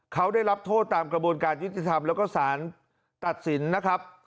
เขาได้รับโทษตามกระบวนการยุติธรรมแล้วก็สารตัดสินนะครับ